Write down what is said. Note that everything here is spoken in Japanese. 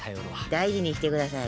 大事にしてください。